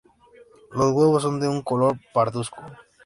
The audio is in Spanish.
Los huevos son de un color parduzco.